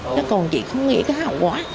chứ còn chị không nghĩ cái hậu quả